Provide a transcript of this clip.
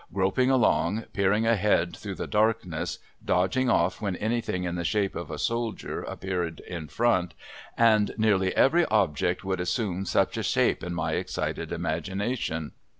Groping along, peering ahead through the darkness, dodging off when anything in the shape of a soldier appeared in front and nearly every object would assume such a shape in my excited imagination.